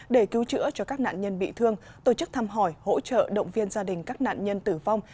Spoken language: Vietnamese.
để cứu chữa cho các nạn nhân bị thương tổ chức thăm hỏi hỗ trợ động viên gia đình các nạn nhân tử vong